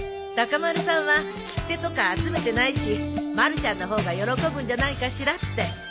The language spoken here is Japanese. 高丸さんは切手とか集めてないしまるちゃんの方が喜ぶんじゃないかしらって。